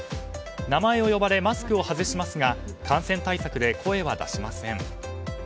名前を呼ばれマスクを外しますが感染対策で声は出しません。